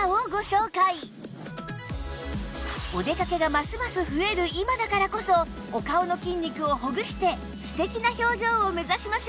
お出かけがますます増える今だからこそお顔の筋肉をほぐして素敵な表情を目指しましょう！